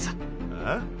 ああ？